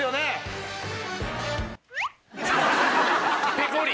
ぺこり。